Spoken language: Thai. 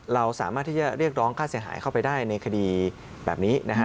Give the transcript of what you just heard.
เราสามารถที่จะเรียกร้องค่าเสียหายเข้าไปได้ในคดีแบบนี้นะฮะ